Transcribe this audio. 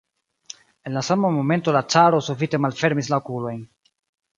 En la sama momento la caro subite malfermis la okulojn.